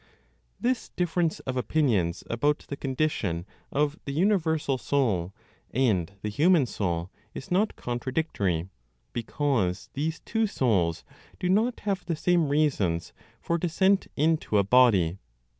This difference of opinions about the condition of the universal Soul and the human soul is not contradictory, because these two souls do not have the same reasons for descent into a body.